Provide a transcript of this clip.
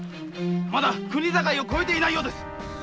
まだ国境越えてないようです。